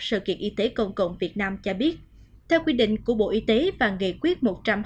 sự kiện y tế công cộng việt nam cho biết theo quy định của bộ y tế và nghị quyết một trăm hai mươi